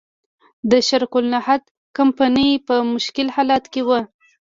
د شرق الهند کمپنۍ په مشکل حالت کې وه.